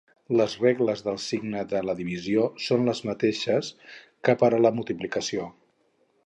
Les regles del signe de la divisió són les mateixes que per a la multiplicació.